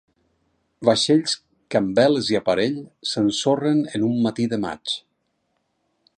Vaixells que amb veles i aparell s’ensorren en un matí de maig.